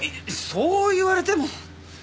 そう言われても。